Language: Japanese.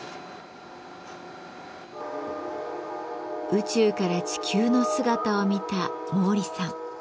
宇宙から地球の姿を見た毛利さん。